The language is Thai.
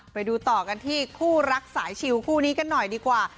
ไปดูต่อกันที่คู่รักสายชิวคู่นี้กันหน่อยดีกว่า